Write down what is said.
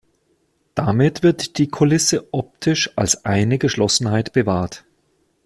Damit wird die Kulisse optisch als eine Geschlossenheit bewahrt.